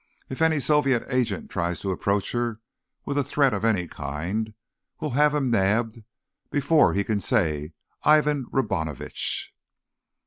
"If any Soviet agent tries to approach her with a threat of any kind, we'll have him nabbed before he can say Ivan Robinovitch."